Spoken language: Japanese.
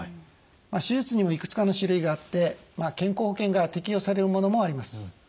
手術にもいくつかの種類があって健康保険が適用されるものもあります。